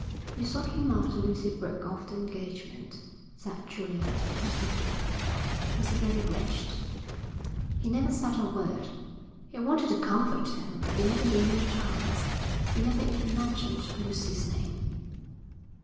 'You saw him after Lucy broke off the engagement,' said Julia, presently. 'Was he very wretched?' 'He never said a word. I wanted to comfort him, but he never gave me a chance. He never even mentioned Lucy's name.'